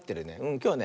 きょうはね